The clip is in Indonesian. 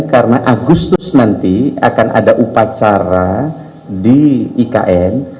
karena agustus nanti akan ada upacara di ikn